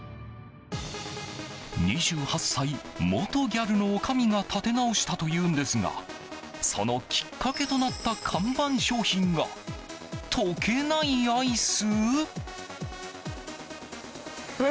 ２８歳、元ギャルの女将が立て直したというんですがそのきっかけとなった看板商品が溶けないアイス？